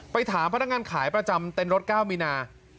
ถามพนักงานขายประจำเต็นรถ๙มีนา